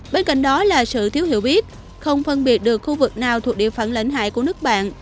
bên cạnh đó là sự thiếu hiểu biết không phân biệt được khu vực nào thuộc địa phận lãnh hải của nước bạn